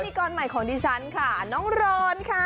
กรใหม่ของดิฉันค่ะน้องรอนค่ะ